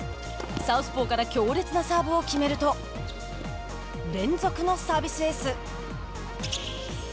サウスポーから強烈なサーブを決めると連続のサービスエース。